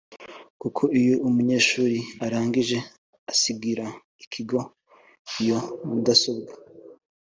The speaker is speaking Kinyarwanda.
kuko iyo umunyeshuri arangije asigira ikigo iyo mudasobwa